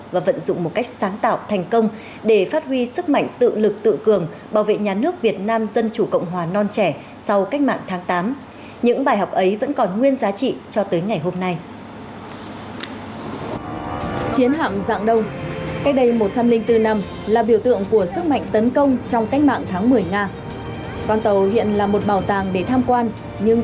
và vận dụng một cách sáng tạo thành công để phát huy sức mạnh tự lực tự cường bảo vệ nhà nước việt nam dân chủ cộng hòa non trẻ sau cách mạng tháng tám